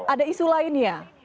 ada isu lain ya